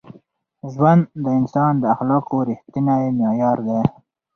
ژوند د انسان د اخلاقو رښتینی معیار دی.